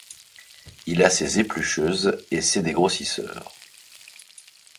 Il a ses éplucheuses et ses dégrossisseurs.